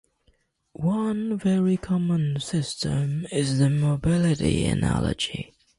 One very common system is the mobility analogy.